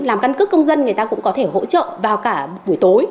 làm căn cước công dân người ta cũng có thể hỗ trợ vào cả buổi tối